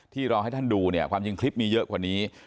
รอให้ท่านดูเนี่ยความจริงคลิปมีเยอะกว่านี้